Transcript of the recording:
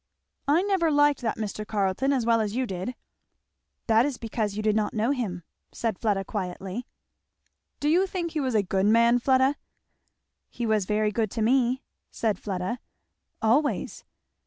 "I never liked that Mr. Carleton as well as you did." "That is because you did not know him," said Fleda quietly. "Do you think he was a good man, Fleda?" "He was very good to me," said Fleda, "always.